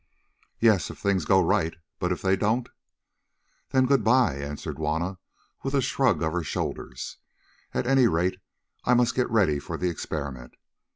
"Yes, if things go right. But if they don't?" "Then good bye," answered Juanna, with a shrug of her shoulders. "At any rate, I must get ready for the experiment.